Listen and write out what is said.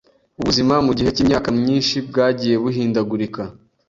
ubuzima mu gihe cy’imyaka myinshi bwagiye buhindagurika